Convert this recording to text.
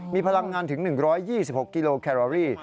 มีพลังงานถึง๑๒๖กิโลแครอรี